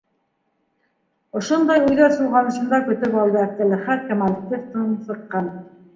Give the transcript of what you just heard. Ошондай уйҙар солғанышында көтөп алды Әптеләхәт Камалетдиновтың сыҡҡанын.